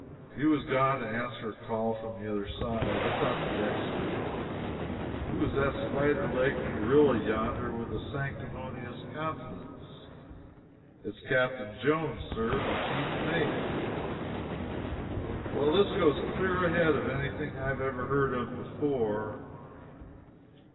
He was gone to answer a call from the other side. I sought the deck sweep. "Who is that spider legged gorilla yonder with the sanctimonious countenance?" "It's Captain Jones, sir the chief mate." "Well. This goes clear away ahead of anything I ever heard of before.